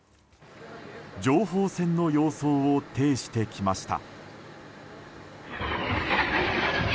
情報戦の様相を呈してきました。